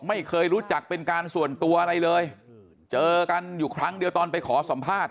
ไม่เคยรู้จักเป็นการส่วนตัวอะไรเลยเจอกันอยู่ครั้งเดียวตอนไปขอสัมภาษณ์